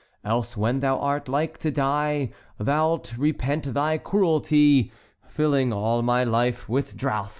Else when thou art like to die Thou 'lt repent thy cruelty, Filling all my life with drouth!"